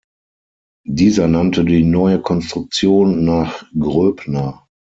Dieser nannte die neue Konstruktion nach Gröbner.